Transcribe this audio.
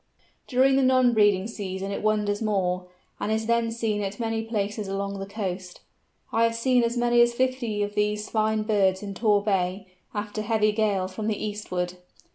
During the non breeding season it wanders more, and is then seen at many places along the coast. I have seen as many as fifty of these fine birds in Tor Bay, after heavy gales from the eastward.